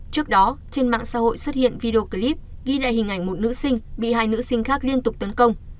trước đó trên mạng xã hội xuất hiện video clip ghi lại hình ảnh một nữ sinh bị hai nữ sinh khác liên tục tấn công